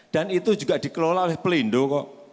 dan itu juga dikelola oleh pelindung kok